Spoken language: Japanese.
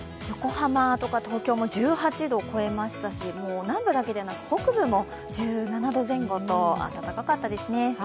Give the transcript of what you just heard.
横浜とか東京も１８度を超えましたし、南部だけではなく北部も１７度前後と暖かかったですね。